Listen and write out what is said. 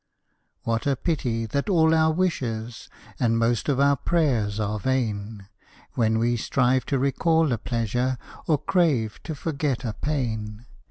What a pity that all our wishes, And most of our prayers are vain; When we strive to recall a pleasure, Or crave to forget a pain.